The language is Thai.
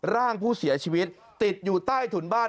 ร่างผู้เสียชีวิตติดอยู่ใต้ถุนบ้าน